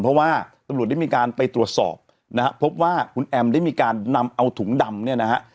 เพราะว่าตำรวจได้มีการไปตรวจสอบนะฮะพบว่าคุณแอมได้มีการนำเอาถุงดำเนี่ยนะฮะ